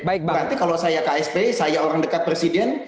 berarti kalau saya ksp saya orang dekat presiden